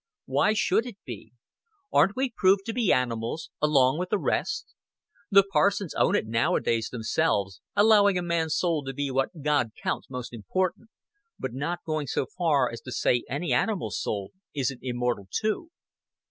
Why should it be? Aren't we proved to be animals along with the rest? The parsons own it nowadays themselves, allowing a man's soul to be what God counts most important, but not going so far as to say any animal's soul isn't immortal too.